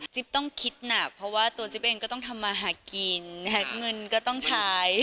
ต้องคิดหนักเพราะว่าตัวจิ๊บเองก็ต้องทำมาหากินเงินก็ต้องใช้